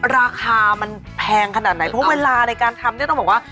ราคามันแพงขนาดไหนเพราะเวลาในการทำเนี่ยต้องบอกว่า